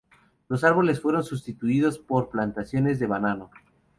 Los árboles fueron sustituidos por plantaciones de banano.